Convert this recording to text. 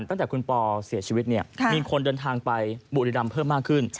ตั้งแต่คุณปอเสียชีวิตเนี่ยมีคนเดินทางไปบุรีรำเพิ่มมากขึ้น